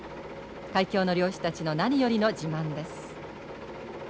海峡の漁師たちの何よりの自慢です。